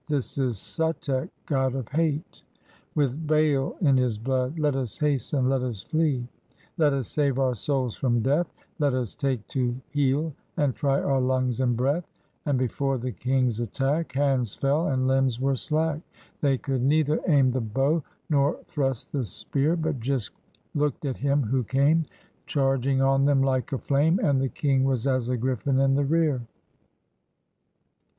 This is Suteck, god of hate, 1 60 THE VICTORY OVER THE KHITA With Baal in his blood; Let us hasten, let us flee, Let us save our souls from death, Let us take to heel and try our lungs and breath." And before the king's attack. Hands fell, and limbs were slack. They could neither aim the bow, nor thrust the spear, But just looked at him who came Charging on them, like a flame. And the King was as a griflin in the rear.